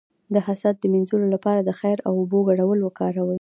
د حسد د مینځلو لپاره د خیر او اوبو ګډول وکاروئ